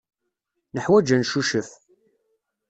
Neḥwaj ad neccucef.